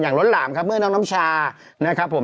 น้ำชาชีวนัทครับผมโพสต์ขอโทษทำเข้าใจผิดหวังคำเวพรเป็นจริงนะครับ